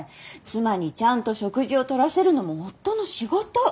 妻にちゃんと食事をとらせるのも夫の仕事。